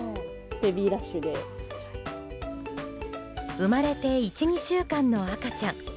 生まれて１２週間の赤ちゃん。